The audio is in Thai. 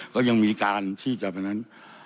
แล้วยังมีการพี่จำนั้น